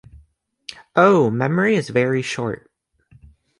Oh, memory is very short!